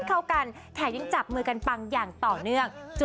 แขกยังจับมือกันปังอย่างต่อเนื่อง